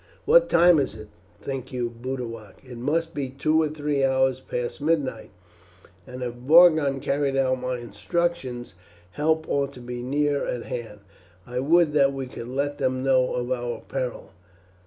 "What time is it, think you, Boduoc?" "It must be two or three hours past midnight, and if Borgon carried out my instructions help ought to be near at hand. I would that we could let them know of our peril."